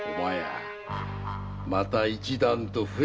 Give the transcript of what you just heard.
また一段と増えたのう。